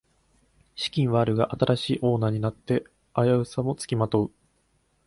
資金はあるが新しいオーナーになって危うさもつきまとう